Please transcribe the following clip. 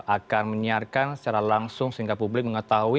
akan menyiarkan secara langsung sehingga publik mengetahui